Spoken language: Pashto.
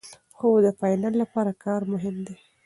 خو د فاینل لپاره کار مهم دی.